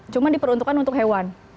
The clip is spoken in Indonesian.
cuma diperuntukkan untuk hewan